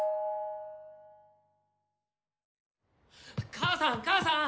母さん母さん！